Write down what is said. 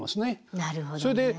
なるほどねえ。